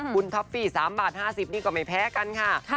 คุณท็อปฟี่๓บาท๕๐นี่ก็ไม่แพ้กันค่ะ